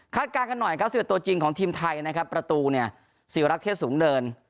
การกันหน่อยครับ๑๑ตัวจริงของทีมไทยนะครับประตูเนี่ยศิวรักษ์เทศสูงเดิน